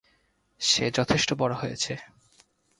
সে যথেষ্ট বড় হয়েছে।